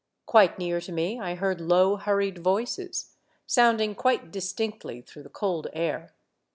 Quite near to me, I heard low hurried voices, sounding quite distinctly through the cold air.